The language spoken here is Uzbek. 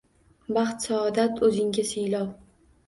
Baxt-saodat Oʼzingga siylov.